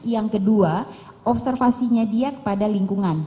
yang kedua observasinya dia kepada lingkungan